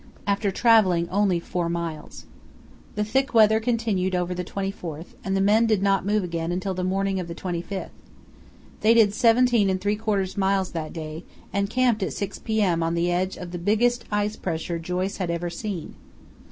after travelling only four miles. The thick weather continued over the 24th, and the men did not move again until the morning of the 25th. They did 17¾ miles that day, and camped at 6 p.m. on the edge of "the biggest ice pressure" Joyce had ever seen.